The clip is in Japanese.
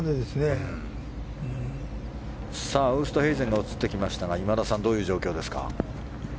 ウーストヘイゼンが映ってきましたが今田さん、どういう状況ですか？